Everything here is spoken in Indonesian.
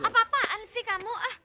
apa apaan sih kamu